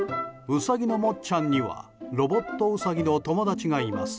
ウサギのもっちゃんにはロボットウサギの友達がいます。